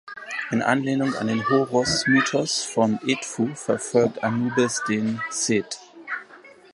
In Anlehnung an den Horus-Mythos von Edfu verfolgt Anubis den Seth.